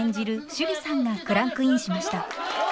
趣里さんがクランクインしました。